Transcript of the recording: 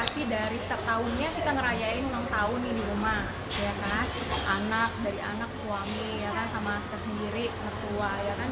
saya sih terinspirasi dari setahunnya kita merayain